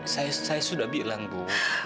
saya sudah bilang bu